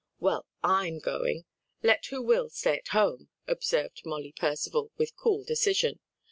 "Well, I'm going, let who will stay at home," observed Molly Percival with cool decision.